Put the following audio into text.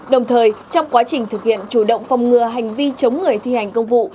đồng thời trong quá trình thực hiện chủ động phòng ngừa hành vi chống người thi hành công vụ